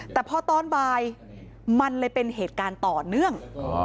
แต่พอตอนบ่ายมันเลยเป็นเหตุการณ์ต่อเนื่อง